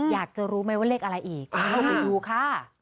อยากจะรู้ไหมว่าเลขอะไรอีกเอาไปดูค่ะ